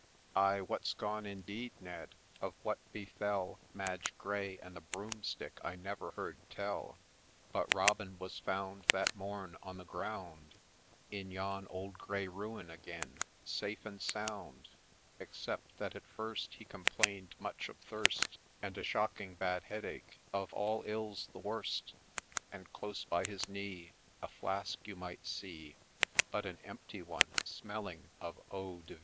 ' Ay, ' what 'B gone ' indeed, Ned ?— of what befell Madge Gray, and the broomstick, I never heard tell : But Robin was found, that morn, on the ground, In yon old grey Ruin again, safe and sound, Except that at first he complain'd much of thirst, And a shocking bad headache, of all ills the worst, And close by his knee A flask you might see, But an empty one, smelling of eau de vie.